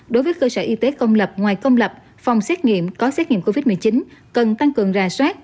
đối với cơ sở y tế công lập ngoài công lập phòng xét nghiệm có xét nghiệm covid một mươi chín cần tăng cường rà soát